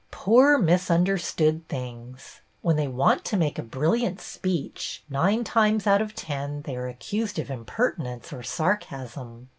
Poor misunderstood things ! When they want to make a brilliant speech, nine times out of ten they are accused of imper tinence or sarcasm.